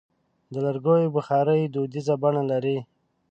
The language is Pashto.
د لرګیو بخاري دودیزه بڼه لري.